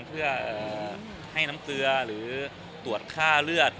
เพื่อให้น้ำเกลือหรือตรวจค่าเลือด